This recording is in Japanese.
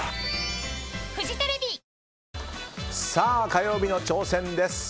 火曜日の挑戦です。